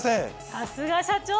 さすが社長。